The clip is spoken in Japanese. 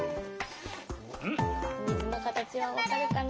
みずのかたちがわかるかな？